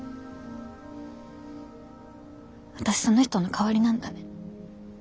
私その人の代わりなんだね。